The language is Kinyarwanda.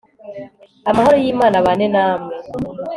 amahoro y imana abane namwe!!!